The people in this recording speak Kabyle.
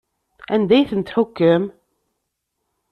Anda ay ten-tḥukkem?